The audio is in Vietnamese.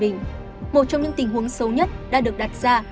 trong thời bình một trong những tình huống xấu nhất đã được đặt ra